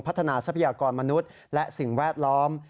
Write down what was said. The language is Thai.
ทรัพยากรมนุษย์และสิ่งแวดล้อม